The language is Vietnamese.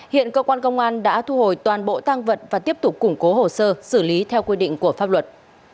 hiện cơ quan công an đã thu hồi toàn bộ tăng vận và tiếp tục củng cố hồ sơ xử lý theo quy định của pháp luật